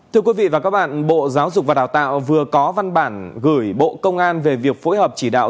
thưa quý vị và các bạn bộ giáo dục và đào tạo vừa có văn bản gửi bộ công an về việc phối hợp chỉ đạo